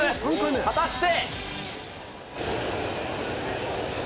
果たして。